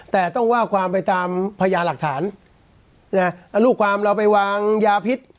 แต่ต้องว่าความไปตามพญาหลักฐานแล้วลูกความเราไปวางยาพิษ